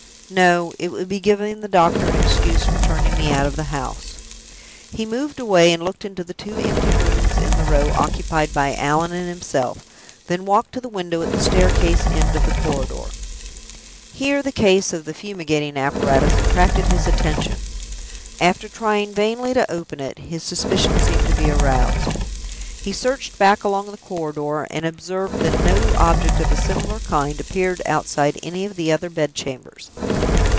No; it would be giving the doctor an excuse for turning me out of the house." He moved away, and looked into the two empty rooms in the row occupied by Allan and himself, then walked to the window at the staircase end of the corridor. Here the case of the fumigating apparatus attracted his attention. After trying vainly to open it, his suspicion seemed to be aroused. He searched back along the corridor, and observed that no object of a similar kind appeared outside any of the other bed chambers.